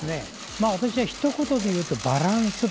ひと言で言うとバランス。